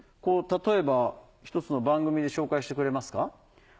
例えば１つの番組で紹介してくれますか？